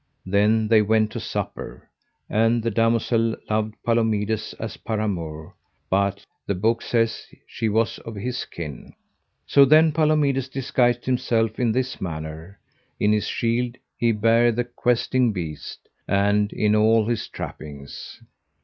Then they went to supper, and the damosel loved Palomides as paramour, but the book saith she was of his kin. So then Palomides disguised himself in this manner, in his shield he bare the Questing Beast, and in all his trappings.